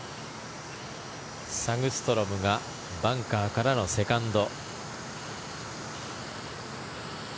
サグストロムがバンカーからのセカンド。